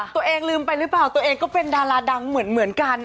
ตัวเองลืมไปหรือเปล่าตัวเองก็เป็นดาราดังเหมือนกัน